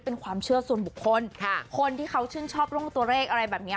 เป็นความเชื่อส่วนบุคคลค่ะคนที่เขาชื่นชอบเรื่องตัวเลขอะไรแบบเนี้ย